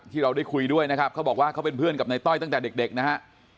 ที่เราได้คุยด้วยนะครับเขาบอกว่าเขาเป็นเพื่อนกับในต้อยตั้งแต่เด็กนะฮะ